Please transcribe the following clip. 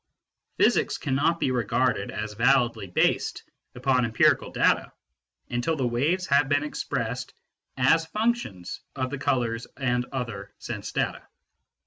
Physics cannot be regarded as validly based upon empirical data until the waves have been expressed as functions of the colours and other sense data.